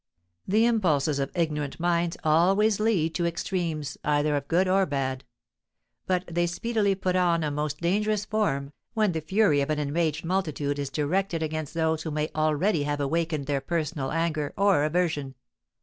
The impulses of ignorant minds always lead to extremes either of good or bad. But they speedily put on a most dangerous form, when the fury of an enraged multitude is directed against those who may already have awakened their personal anger or aversion.